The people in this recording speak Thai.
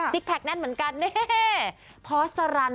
ซิกแพ็คแน่นเหมือนกัน